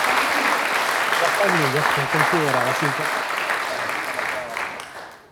Las tablillas son consideradas importantes para la historia croata.